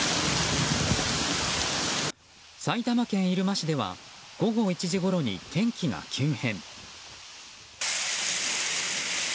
埼玉県入間市では午後１時ごろに天気が急変。